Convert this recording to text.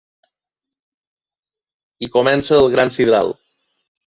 I comença el gran sidral.